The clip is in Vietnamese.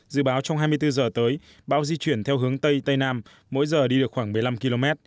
dự báo trong hai mươi bốn giờ tới bão di chuyển theo hướng tây tây nam mỗi giờ đi được khoảng một mươi năm km